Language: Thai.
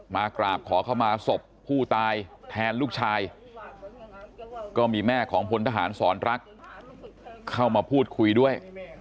มากราบขอเข้ามาศพผู้ตายแทนลูกชายก็มีแม่ของพลทหารสอนรักเข้ามาพูดคุยด้วย